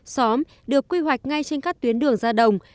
xóm được quy hoạch ngay trên các tuyến đường ra đồng